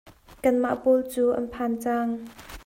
Kanmah pawl cu an phan cang.